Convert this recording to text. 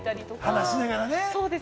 話しながらね。